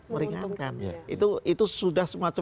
meringankan itu sudah semacam